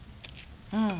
うん。